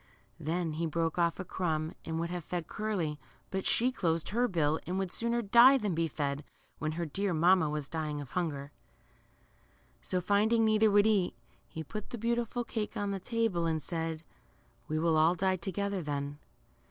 Then he broke off a crumb and would have fed Curly, but she closed her little bill, and would sooner die than be fed, when her dear mamma was dying of hunger. So, finding neither would eat, he put the beautiful cake on the table, and said, We will all die together thep.."